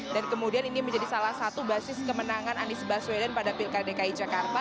dan kemudian ini menjadi salah satu basis kemenangan anies baswedan pada pilkai dki jakarta